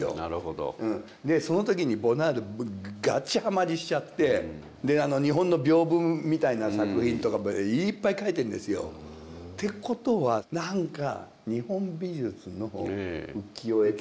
でその時にボナールガチハマりしちゃって日本のびょうぶみたいな作品とかもいっぱい描いてるんですよ。ってことは何か日本美術の浮世絵とか。